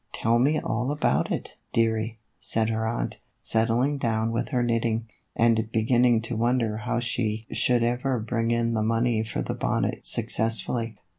"Tell me all about it, dearie," said her aunt, set tling down with her knitting, and beginning to won der how she should ever bring in the money for the bonnet successfully.